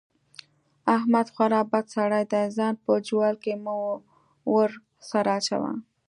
احمد خورا بد سړی دی؛ ځان په جوال کې مه ور سره اچوه.